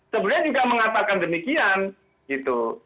sebenarnya juga mengatakan demikian gitu